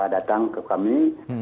datang ke kami